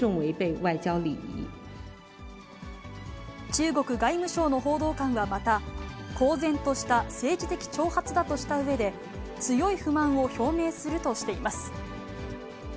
中国外務省の報道官はまた、公然とした政治的挑発だとしたうえで、強い不満を表明するとしています。